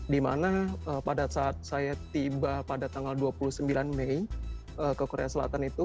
di mana pada saat saya tiba pada tanggal dua puluh sembilan mei ke korea selatan itu